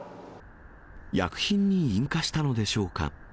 薬品に引火したのでしょうか。